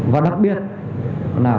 và đặc biệt là phòng chống ma túy